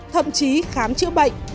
thậm chí khám chữa bệnh